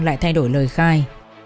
lại thay đổi lời khai